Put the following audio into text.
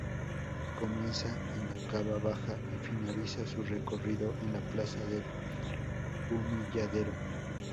Comienza en la Cava Baja y finaliza su recorrido en la plaza del Humilladero.